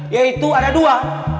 yaitu ada dua